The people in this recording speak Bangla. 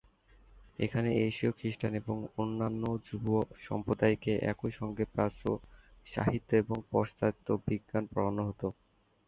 এখানে এশীয় খ্রিষ্টান এবং অন্যান্য যুব সম্প্রদায়কে একই সঙ্গে প্রাচ্য সাহিত্য ও পাশ্চাত্য বিজ্ঞান পড়ানো হতো।